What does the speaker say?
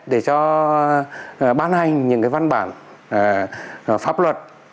để cho bán hành những cái văn bản pháp luật